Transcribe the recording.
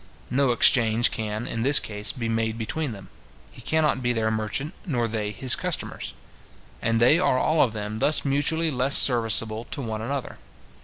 No exchange can, in this case, be made between them. He cannot be their merchant, nor they his customers; and they are all of them thus mutually less serviceable to one another.